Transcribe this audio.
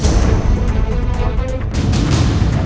pemaatannya ingatan itu